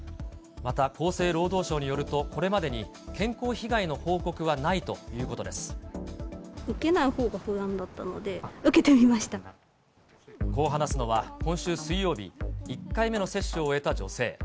また厚生労働省によると、これまでに健康被害の報告はないという受けないほうが不安だったのこう話すのは、今週水曜日、１回目の接種を終えた女性。